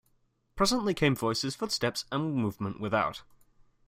Presently came voices, footsteps and movement without.